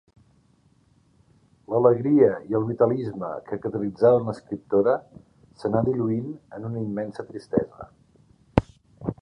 L’alegria i el vitalisme que caracteritzaven l’escriptora s’anà diluint en una immensa tristesa.